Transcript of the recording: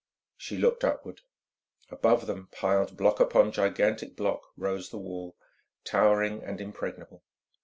She looked upward. Above them, piled block upon gigantic block, rose the wall, towering and impregnable.